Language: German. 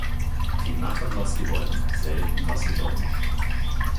Die machen was sie wollen, selten was sie sollen!